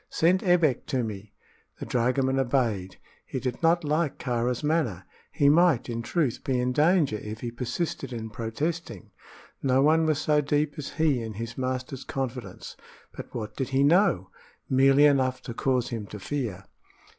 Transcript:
"Send Ebbek to me." The dragoman obeyed. He did not like Kāra's manner. He might, in truth, be in danger if he persisted in protesting. No one was so deep as he in his master's confidence. But what did he know? Merely enough to cause him to fear.